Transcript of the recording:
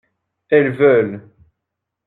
Elles veulent.